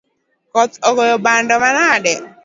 Koth ogoyo bando manade?